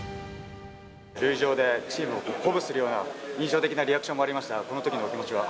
塁上でチームを鼓舞するような印象的なリアクションもありましたが、このときのお気持ちは？